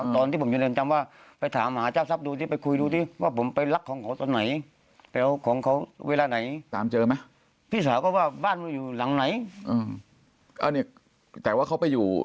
ตอนที่ผมอยู่ในจำว่า